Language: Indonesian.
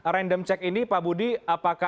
random check ini pak budi apakah